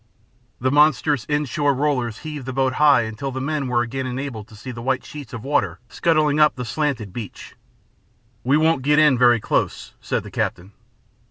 The monstrous in shore rollers heaved the boat high until the men were again enabled to see the white sheets of water scudding up the slanted beach. "We won't get in very close," said the captain.